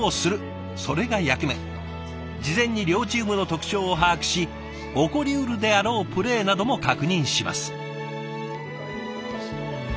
事前に両チームの特徴を把握し起こりうるであろうプレーなども確認します。